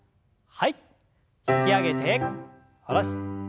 引き上げて下ろして。